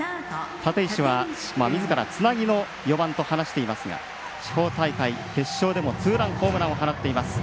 立石は、みずからつなぎの４番と話していますが地方大会決勝でもツーランホームランを放っています。